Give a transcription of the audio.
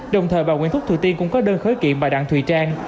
đồng thời bà nguyễn thúc thủy tiên cũng có đơn khới kiện bà đặng thủy trang